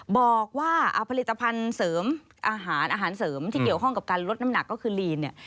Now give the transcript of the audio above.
บอกว่าเอาผลิตภัณฑ์เสริมอาหารอาหารเสริมที่เกี่ยวข้องกับการลดน้ำหนักก็คือลีนเนี่ย